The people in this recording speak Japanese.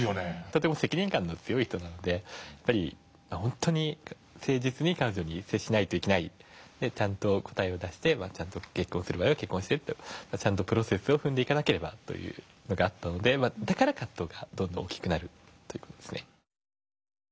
とても責任感の強い人なので本当に誠実に彼女に接しないといけないちゃんと答えを出して結婚する場合は結婚してとちゃんとプロセスを踏まなければというのがあったのでだから葛藤がどんどん大きくなるという事ですね。